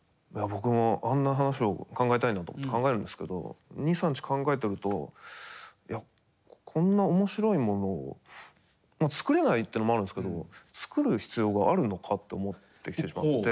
僕もあんな話を考えたいなと思って考えるんですけど２３日考えてるといやこんな面白いものを作れないっていうのもあるんですけども作る必要があるのかと思ってきてしまって。